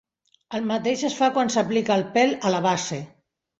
El mateix es fa quan s'aplica el pèl a la base.